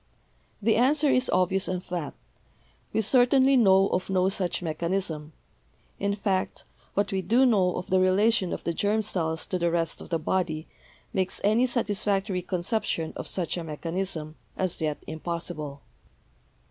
The answer is obvious and flat; we certainly know of no such mechanism; in fact, what we do know of the relation of the germ cells to the rest of the body makes any satisfactory conception of such a mechanism as yet impossible.